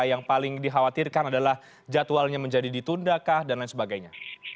yang paling dikhawatirkan adalah jadwalnya menjadi ditundakah dan lain sebagainya